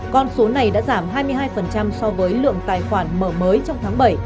con số này đã giảm hai mươi hai so với lượng tài khoản mở mới trong tháng bảy